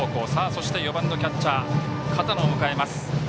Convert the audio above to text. そして、４番のキャッチャー片野を迎えます。